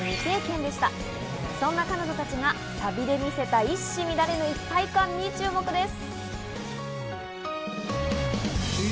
そんな彼女たちがサビで見せた一糸乱れぬ一体感にご注目です。